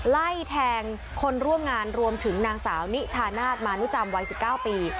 ไล่แทงคนร่วมงานรวมถึงนางสาวนิชานาศมานุจำวัย๑๙ปี